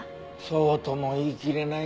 そうとも言い切れないよ。